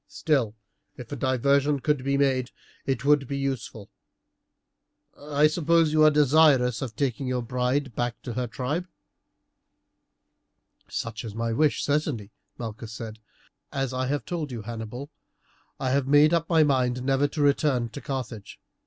Still, if a diversion could be made it would be useful. I suppose you are desirous of taking your bride back to her tribe." "Such is my wish, certainly," Malchus said. "As I have told you, Hannibal, I have made up my mind never to return to Carthage.